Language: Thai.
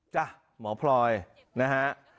จ้ะหมอพลอยนะฮะ